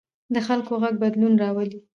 د خلکو غږ بدلون راولي